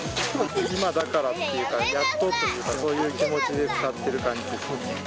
今だからっていうか、やっとというか、そういう気持ちで使ってる感じです。